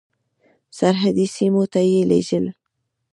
سرحدي سیمو ته یې لېږل.